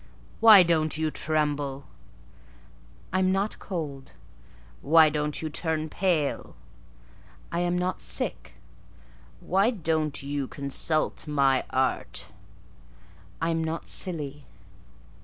Why don't you tremble?" "I'm not cold." "Why don't you turn pale?" "I am not sick." "Why don't you consult my art?" "I'm not silly."